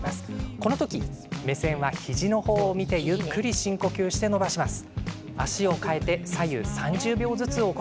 この時、目線は肘の方を見てゆっくり深呼吸して伸ばします。